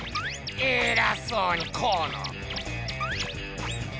えらそうにこの！